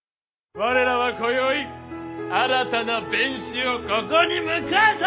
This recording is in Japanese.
我らはこよい新たな弁士をここに迎えた！